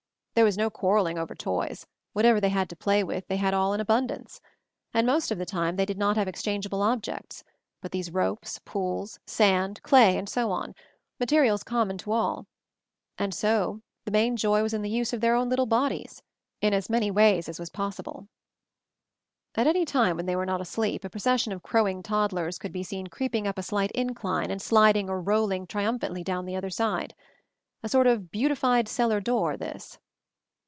There was no quarrelling over toys — whatever they had to play with they all had in abundance ; and most of the time they did not have ex changeable objects, but these ropes, pools, sand, clay, and so on, materials common to all; and the main joy was in the use of their own little bodies, is as many ways as was possible. At any time when they were not asleep a procession of crowing toddlers could be seen creeping up a slight incline and sliding or rolling triumphantly down the other side. A sort of beautified cellar door, this.